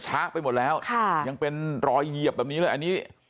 ไปหมดแล้วค่ะยังเป็นรอยเหยียบแบบนี้เลยอันนี้